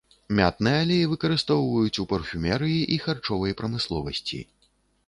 Мятны алей выкарыстоўваюць у парфумерыі і харчовай прамысловасці.